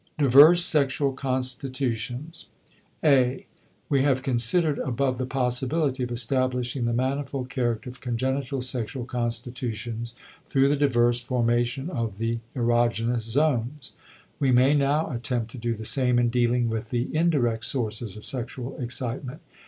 *Diverse Sexual Constitutions.* (a) We have considered above the possibility of establishing the manifold character of congenital sexual constitutions through the diverse formation of the erogenous zones; we may now attempt to do the same in dealing with the indirect sources of sexual excitement.